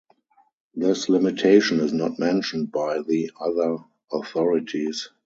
This limitation is not mentioned by the other authorities.